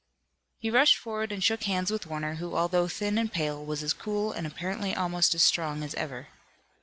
He rushed forward and shook hands with Warner who although thin and pale was as cool and apparently almost as strong as ever.